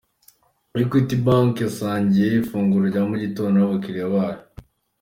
Equity Bank yasangiye ifunguro rya mu gitondo n'abakiliya bayo.